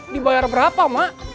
dibayar berapa mak